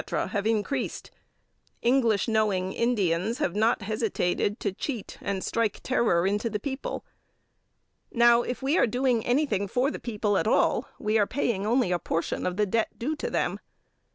have increased; English knowing Indians have not hesitated to cheat and strike terror into the people. Now, if we are doing anything for the people at all, we are paying only a portion of the debt due to them.